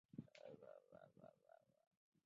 曹鹏还十分重视交响音乐知识的宣传与普及。